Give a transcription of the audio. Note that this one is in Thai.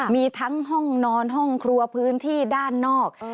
มีทั้งห้องนอนห้องครัวพื้นที่ด้านนอก